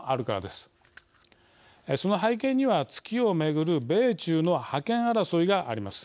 その背景には月を巡る米中の覇権争いがあります。